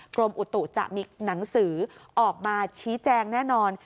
กรมอุตุจะมีหนังสือออกมาชี้แจงแน่นอน